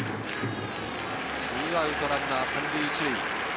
２アウト、ランナー３塁１塁。